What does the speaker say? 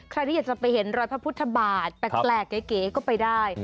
ใครที่อยากจะไปเห็นรอยพระพุทธบาทแปลกเก๋ก็ไปได้